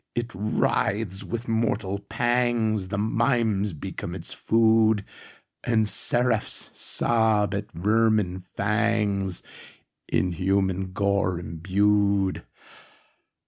—it writhes!—with mortal pangsThe mimes become its food, And seraphs sob at vermin fangsIn human gore imbued.